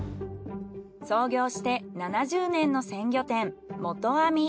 創業して７０年の鮮魚店元網。